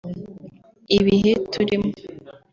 ”Ibihe turimo